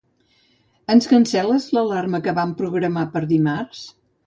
Ens cancel·les l'alarma que vam programar per dimarts?